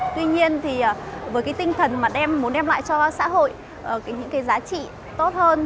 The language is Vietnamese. tuy nhiên với tinh thần muốn đem lại cho xã hội những giá trị tốt hơn